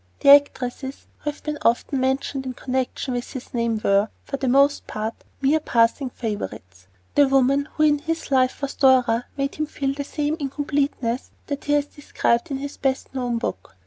The actresses who have been often mentioned in connection with his name were, for the most part, mere passing favorites. The woman who in life was Dora made him feel the same incompleteness that he has described in his best known book.